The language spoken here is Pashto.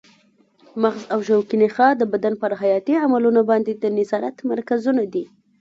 مغز او شوکي نخاع د بدن پر حیاتي عملونو باندې د نظارت مرکزونه دي.